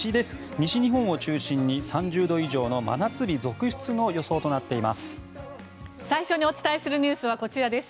西日本を中心に３０度以上の真夏日続出の予想となっています。